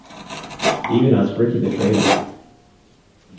He even asked Rickey to trade him.